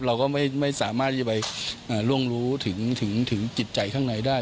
เราก็ไม่สามารถที่จะไปล่วงรู้ถึงจิตใจข้างในได้